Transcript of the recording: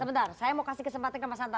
oke saya mau kasih kesempatan ke mas anta